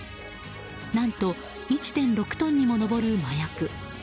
何と、１．６トンにも上る麻薬。